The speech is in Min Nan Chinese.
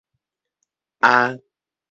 亞